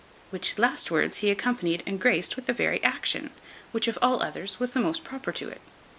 Which last words he accompanied and graced with the very action, which, of all others, was the most proper to it.